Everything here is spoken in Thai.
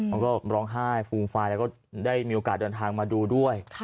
มันก็ร้องไห้ฟูงไฟล์และมีโอกาสเดินทางมาดูด้วย